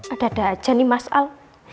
ada ada aja nih mas al